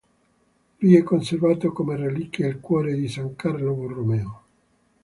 Vi è conservato come reliquia il cuore di san Carlo Borromeo.